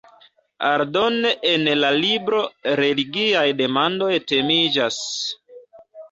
Aldone en la libro religiaj demandoj temiĝas.